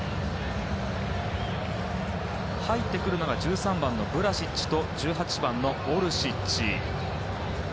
入ってくるのが１３番のブラシッチと１８番のオルシッチ。